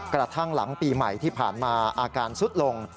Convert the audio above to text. กระทั่งหลังปีใหม่ที่ผ่านมาอาการสุดลง